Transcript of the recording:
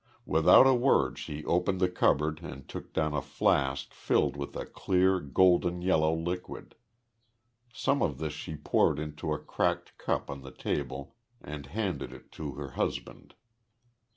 Without a word she opened the cupboard and took down a flask filled with a clear golden yellow liquid. Some of this she poured into a cracked cup on the table and handed it to her husband.